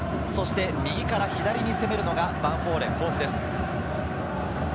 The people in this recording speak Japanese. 右から左に攻めるのがヴァンフォーレ甲府です。